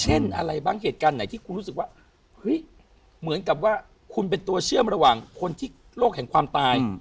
เช่นอะไรบ้างเหตุการณ์ไหนที่คุณรู้สึกว่าเฮ้ยเหมือนกับว่าคุณเป็นตัวเชื่อมระหว่างคนที่โลกแห่งความตาย